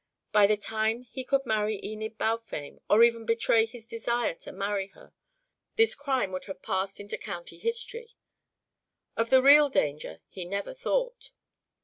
By the time he could marry Enid Balfame, or even betray his desire to marry her, this crime would have passed into county history. Of the real danger he never thought.